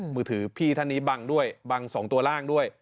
มือถือพี่ท่านนี้บังด้วยบัง๒ตัวล่างด้วย